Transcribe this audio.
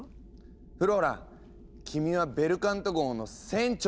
フローラ君はベルカント号の船長になるんだ。